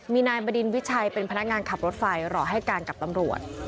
มีนายบดินวิชัยเป็นพนักงานขับรถไฟรอให้การกับตำรวจ